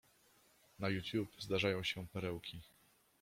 Na Youtube zdażają się perełki.